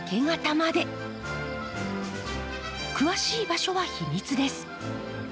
詳しい場所は秘密です。